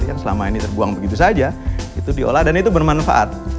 yang selama ini terbuang begitu saja itu diolah dan itu bermanfaat